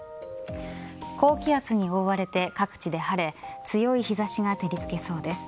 高気圧に覆われて各地で晴れ強い日差しが照りつけそうです。